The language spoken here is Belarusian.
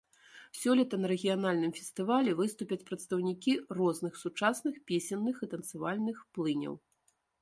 Сёлета на рэгіянальным фестывалі выступяць прадстаўнікі розных сучасных песенных і танцавальных плыняў.